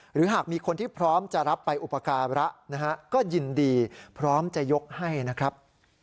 หรือหากมีคนที่พร้อมจะรับไปอุปการะนะฮะก็ยินดีพร้อมจะยกให้นะครับ